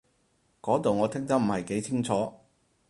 嗰度我聽得唔係幾清楚